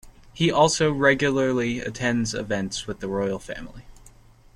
He also regularly attends events with the Royal Family.